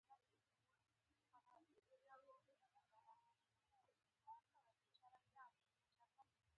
ازادي د فرد د کرامت لپاره بنسټیز اهمیت لري.